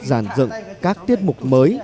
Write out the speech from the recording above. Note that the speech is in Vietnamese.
giàn dựng các tiết mục mới